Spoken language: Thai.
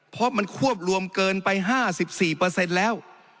เพราะมันควบรวมเกินไป๕๔เปอร์เซ็นต์แล้ว